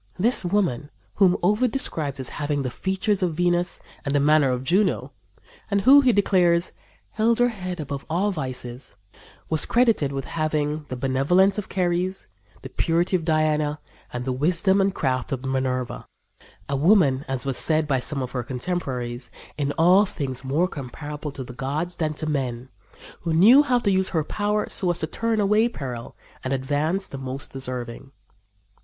This woman, whom Ovid describes as having the features of Venus and the manner of Juno, and who, he declares, "held her head above all vices," was credited with having the benevolence of Ceres, the purity of Diana and the wisdom and craft of Minerva "a woman," as was said by one of her contemporaries, "in all things more comparable to the gods than to men, who knew how to use her power so as to turn away peril and advance the most deserving."